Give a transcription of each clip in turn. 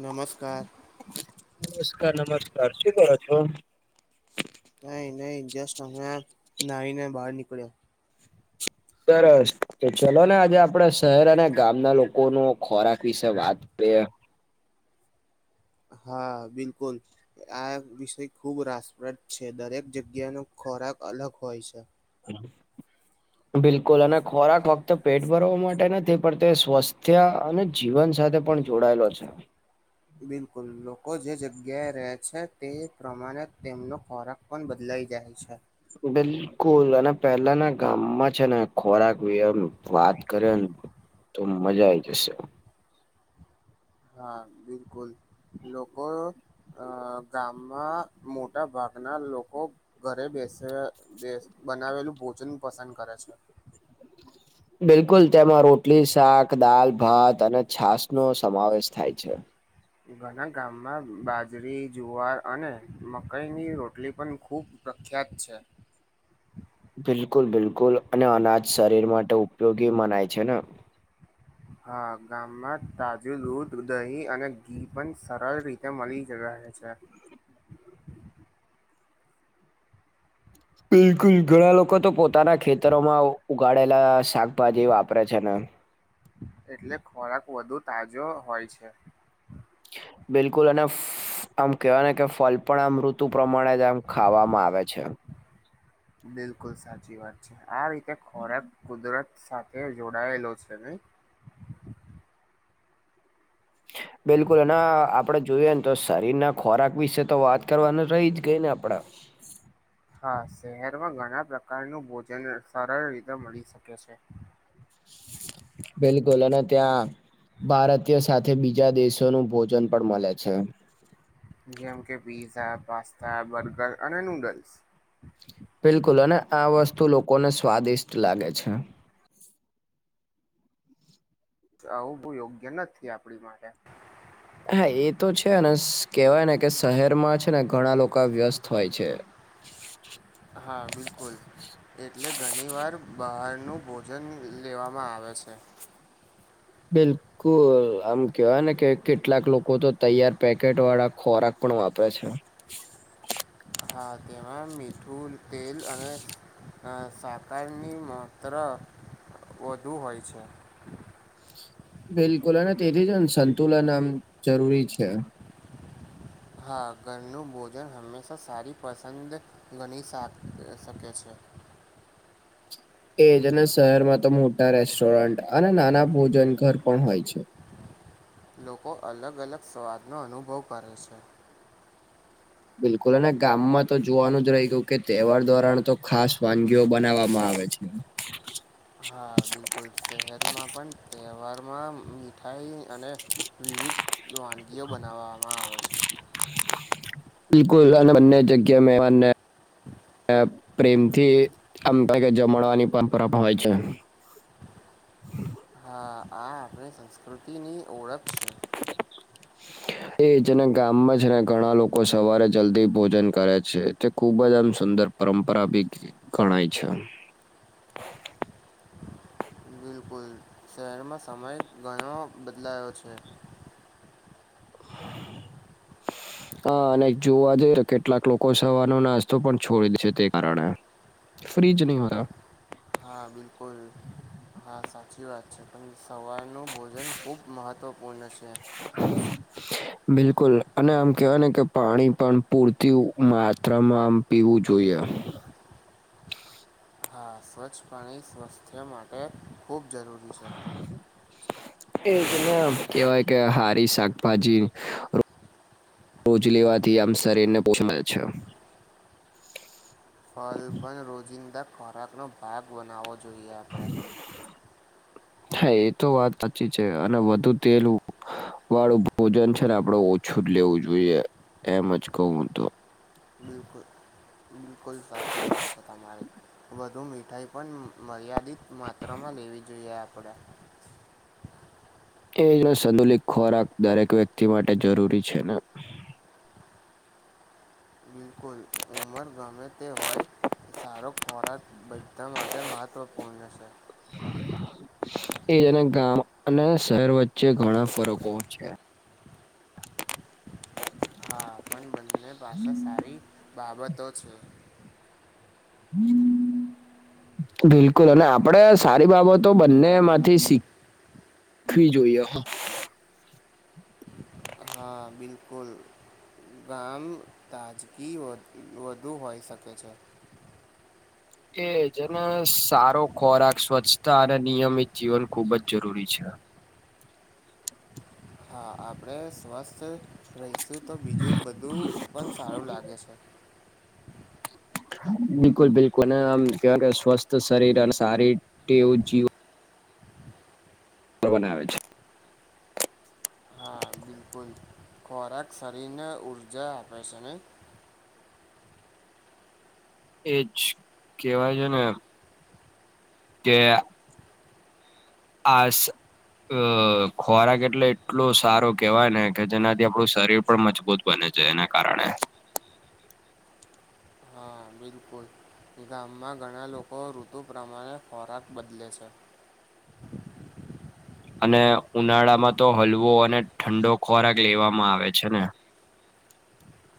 નમસ્કાર. નમસ્કાર નમસ્કાર શું કરો છો? નહીં, નહીં, જસ્ટ અબ નયો નયી બહાર નીકળીયો. સરસ તો ચલો ને આજે આપડે શહેર અને ગામના લોકોનું ખોરાક વિશે વાત કરીએ હા બિલકુલ. આ વિષય ખૂબ રાસપ્રદ છે, દરેક જગ્યા ન ખોરાક અલગ હોય છે. બિલકુલ અને ખોરાક વખત તો પેટ ભરવા માટે નથી પણ તે સ્વાસ્થ્ય અને જીવન સાથે પણ જોડાયેલો છે. બિલકુલ લોકો જે જગ્યાએ રહે છે, તે પ્રમાણે તેમનો ખોરાક કોણ બદલાઈ જાય છે. બિલકુલ અને પેલા ના ગામમાં છે ને ખોરાક એમ વાત કરે ને તો મજા આઈ જશે હા બિલકુલ લોકો અ ગામમાં મોટા ભાગના લોકો ઘરે બેસે બનાવેલું ભોજન પસંદ કરે છે. બિલકુલ તેમાં રોટલી શાક દાલ ભાત અને છાસ નો સમાવેશ થાય છે [inaudible] ઘણા ગામમાં બાજરી જુવાર અને મકાઈની રોટલી પણ ખુબ પ્રખ્યાત છે. બિલકુલ બિલકુલ અને અનાજ શરીર માટે ઉપયોગી મનાય છે ને. હા ગામમાં તાજું દૂધ દહીં અને ઘી પણ સરળ રીતે એમ વાી જગહ હ છે. બિલકુલ ઘણા લોકો તો પોતાના ખેતરોમાં આવો ઉગાડેલા શાકભાજી વાપરે છે ને એટલે ખોરાક વધુ તાજો હોય છે. બિલકુલ અને. આમ કેહેવાય ને કે ફલ પણ આમ ઋતુ પ્રમાણે જ આમ ખાવામાં આવે છે. બિલકુલ સાચી વાત છે આ રીતે ખોરાક કુદરત. સાથે જોડાયેલો છે નયી બિલકુલ અને આપડે જોઈએ ને તો શરીર ના ખોરાક વિશે તો વાત કરવાનું રહી જ ગઈ ને આપડ હા શહેરમાં ઘણા પ્રકારનું ભોજન સરળ રીતે મળી શકે છે. બિલકુલ અને ત્યાં ભારતીય સાથે બીજા દેશોનું ભોજન પણ મળે છે જેમ કે પીઝા પાસ્તા બર્ગર અને નુડલ્સ બિલકુલ અને આ વસ્તુ લોકોને સ્વાદિષ્ટ લાગે છે. આવું બ યોગ્ય નથી આપડી માટે હા એ તો છે ને કેવાય ને કે શહેરમાં છે ને ઘણા લોકો વ્યસ્ત હોય છે. હા બિલકુલ એટલે ઘણી વાર બહારનું ભોજન લેવામાં આવે છે બિલકુલ આમ કેવા ને કે કેટલાક લોકો તો તૈયાર પેકેટ વાળા ખોરાક પણ વાપરે છે હા તેમાં મીઠું તેલ અને. સાકારની માત્ર વધુ હોય છે. બિલકુલ અને તેથી જ સંતુલન આમ જરૂરી છે હા ઘરનું ભોજન હંમેશા સારી પસંદ ગણી શ શકે છે એજ અને શહેરમાં તો મોટા રેસ્ટોરન્ટ અને નાના ભોજન ઘર પણ હોય છે. લોકો અલગ અલગ સ્વાદનોો અનુભવ કરે છે. બિલકુલ અને ગામમાં તો જોવાનું જ રહી ગયું કે તહેવાર દ્વારાણ તો ખાસ વાનગીઓ બનાવવામાં આવે છે. હા બિલકુલ શહેરમાં પણ તહેવારમાં મીઠાઈ અને વિવિધ એ વાનગીઓ બનાવવામાં આવે છે. બિલકુલ બને જગ્યા મે પ્રેમથી આમ થાય કે જમણવાની પરંપરા પણ હોય છે. હા આ આપણી સંસ્કૃતિની ઓળખ છે. [inaudible] એ જેના ગામમાં છે ને ઘણા લોકો સવારે જલ્દી ભોજન કરે છે તે ખુબ જ આમ સુંદર પરંપરા બી ગણાય છે. બિલકુલ શહેરમાં સમય ઘણો બદલાયો છે. [inaudible] હા અને જોવા જઈએ તો કેટલાક લોકો સવારનો નાસ્તો પણ છોડી દે છે તે કારણે ફ્રિજ નો હોતા હા બિલકુલ હા સાચી વાત છે પણ સવારનું ભોજન ખૂબ મહત્વપૂર્ણ છે. [unintelligible] બિલકુલ અને આમ કેવાય ને કે પાણી પણ પૂરતી માત્રામાં આમ પીવું જોઈએ. હા સ્વચ્છ પાણી સ્વાસ્થ્ય માટે ખૂબ જરૂરી છે. [inaudible] કેવાય કે હારી શાકભાજી રોજ લેવાથી આમ શરીર ને પોષણ મળે છે. ફલ પણ રોજિંદા ખોરાકનો ભાગ બનાવવો જોઈએ આપણે હા એ તો વાત સાચી છે અને વધુ તેલ વાળું ભોજન છે ને આપડે ઓછું જ લેવું જોઈએ એમ જ કહું હું તો બિલકુલ બિલકુલ સાચી વાત છે તમારી વધુ મીઠાઈ પણ મર્યાદિત માત્રામાં લેવી જોઈએ આપણેે એનો સંતુલિત ખોરાક દરેક વ્યક્તિ માટે જરૂરી છે ને બિલકુલ ઉંમર ગમે તે હોય સારો ખોરાક બધા માટે મહત્વપૂર્ણ છે. એજ ને ગામ અને શહેર વચ્ચે ઘણાં ફરકો છે. હા પણ બંને પાસે સારી બાબતો છે. હમ બિલકુલ અને આપડે સારી બાબતો બંને માંથી શીખ વી જોઈએ. હા, હા બિલકુલ ગામ તાજગી વધુ હોઈ શકે છે. એ જેને સારો ખોરાક સ્વચ્છતા અને નિયમિત જીવન ખુબ જ જરૂરી છે. હા આપણે સ્વસ્થ રહીશું તો બીજું બધું પણ સારું લાગે છે. બિલકુલ બિલકુલ અને આમ કેવા સ્વસ્થ શરીર અને સારી ટેવ જીવન બનાવે છે હા... બિલકુલ, ખોરાક શરીરને ઊર્જા આપે છે નય એજ કેહેવાય છે ને કે આસ અ... ખોરાક એટલે એટલો સારો કેવાય ને કે જેનાથી આપડું શરીર પણ મજબૂત બને છે એના કારણે હા બિલકુલ ગામમાં ઘણા લોકો ઋતુ પ્રમાણે ખોરાક બદલે છે. અને ઉનાળામાં તો હલવો અને ઠંડો ખોરાક લેવામાં આવે છે ને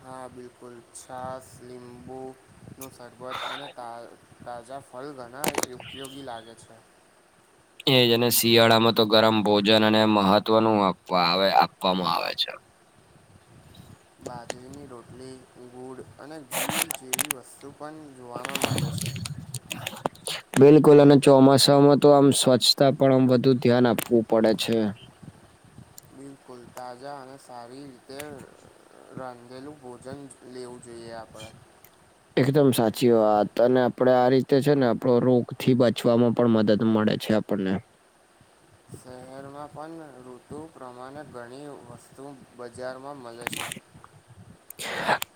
હા બિલકુલ છાસ લીંબુનું શરબત અને તાજા ફલ ઘણા ઉપયોગી લાગે છે. એજને શિયાળામાં તો ગરમ ભોજન અને મહત્વનું આપવા આવે આપવામાં આવે છે. બાજરીની રોટલી ગુડ અને ઘી જેવી વસ્તુ પણ જોવામાં મળે છે. બિલકુલ અને ચોમાસામાં તો આમ સ્વચ્છતા પણ આમ વધુ ધ્યાન આપવું પડે છે. બિલકુલ તાજા અને સારી રીતે રાખેલું ભોજન લેવું જોઈએ આપણે એકદમ સાચી વાત અને આપણેે આ રીતે છે ને આપડો રોગ થી બચવાવામાં પણ મદદ મળે. છે આપણને શહેરમાં પણ ઋતુ પ્રમાણે ઘણી વસ્તુ બાજા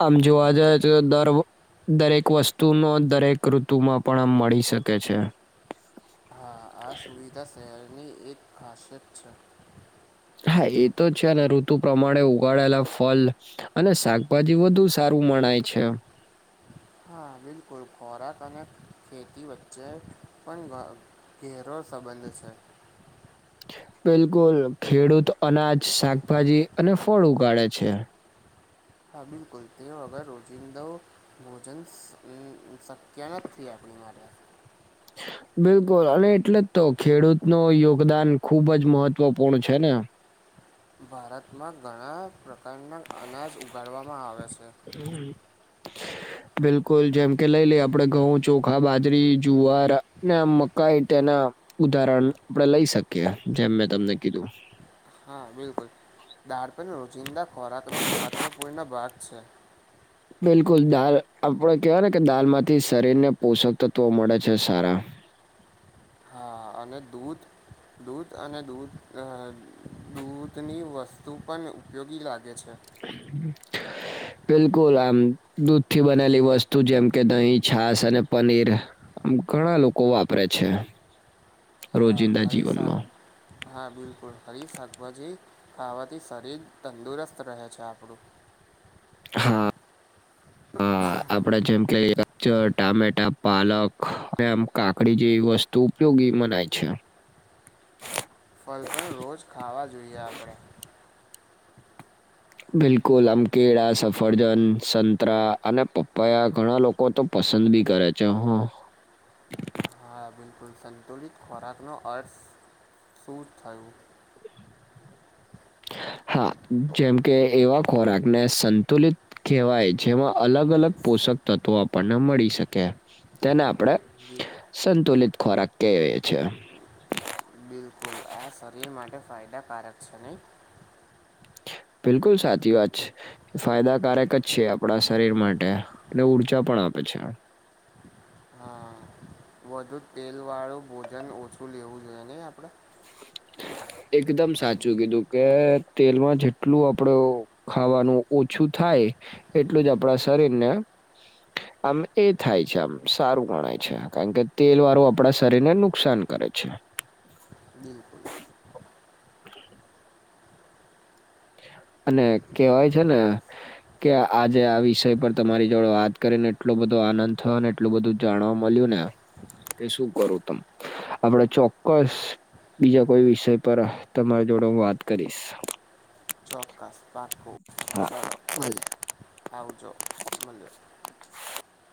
આમ જોવા જઈ તો દરો દરેક વસ્તુનો દરેક ઋતુમાં પણ આમ મળી શકે છે હા આ સુવિધા શહેરની એક ખાસિયત છે હા એ તો છે ને ઋતુ પ્રમાણે ઉગાડેલા ફલ અને શાકભાજી વધુ સારું મણાય છે હા બિલકુલ ખોરાક અને ખેતી વચ્ચે પણ ઘરો સંબંધ છે બિલકુલ ખેડૂત અનાજ શાકભાજી અને ફળ ઉગાડે છે કાબિ કરલતે અગર રોજિંદો ભોજન શક્ય નથી આપણી માટેરે બિલકુલ અને એટલે જ તો ખેડૂત ન યોગદાન ખુબ જ મહત્વપૂર્ણ છે ને ભારતમાં ઘણા પ્રકારના અનાજ ઉગાડવામાં આવે છે હમ બિલકુલ જેમ કે લઈ લઈ આપડે ઘઉં ચોખા બાજરી જુવાર આમ મકાઈ તેના ઉદાહરણ આપણે લઈ શકીએ જેમ મેં તમને કીધું હા બિલકુલ દાળપ રોજિંદા ખોરાક નો મહત્વપૂર્ણ ભાગ છે બિલકુલ દાલ આપડ કેહેવાય ને કે દાલ માંથી શરીર ને પોષક તત્વો મળે છે સારા હા અને દૂધ દૂધ અનેધ દૂધ દૂધની વસ્તુ પણ ઉપયોગી લાગે છે હમ બિલકુલ આમ દૂધ થી બનેલી વસ્તુ જેમ કે દહીં છાસ અને પનીર આમ ઘણા લોકો વાપરે છે રોજિંદા હરીશદ જીવનમાં હા બિલકુલ ફરી શાકભાજી ખાવાથી શરીર તંદુરસ્ત રહે છે આપડું હા હા આપડે જેમ કે ગજર ટામેટા પાલક આમ કાકડી જેવી વસ્તુ તો ઉપયોગી મનાય છે ફલ પણ રોજ ખાવા જોઈએ આપણે બિલકુલ આમ કેળા સફરજન સંતરા અને પપ્પાયા ઘણા લોકો કો તો પસંદ ભી કરે છે હ હા બિલકુલ સંતુલિત ખોરાકનો અર્થ શું થયો હા જેમ કે એવા ખોરાકને સંતુલિત કહેવાય જેમાં અલગ અલગ પોષક તત્વો આપણને મળી શકે તેને આપણેે બિ સંતુલિત ખોરાક કએ છી બિલકુલ આ શરીર માટે ફાયદાકારક છે નહીં બિલકુલ સાચી વાત છે ફાયદાકારક જ છે આપણા શરીર માટે અને ઉઊર્જા પણ આપે છે હા વધુ તેલ વાળું ભોજન ઓછું લેવું જોઈએ નહી આપડે એકદમ સાચું કીધું કે તેલમાં જેટલું આપડે ખાવાનું ઓછું થાય એટલું જ આપણા શરીરને આમ એ થાય છે આમ સારું ગણાય છે કારણ કે તેલ વાળું આપણા શરીરને નુકસાન કરે છે. બિલકુલ. અને કેવાય છે ને કે આજે આ વિષય પર તમારી જોડે વાત કરીને એટલો બધો આનંદ થયો ને એટલું બધું જાણવા મળ્યું ને કે શું કરું તમ આપડે ચોક્કસ બીજા કોઈ વિષય પર તમારી જોડે હું વાત કરીશ. ચોક્કસ પાકુ હા ચલો ભલે. આવજો મલ્યો.